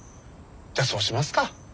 じゃあそうしますか。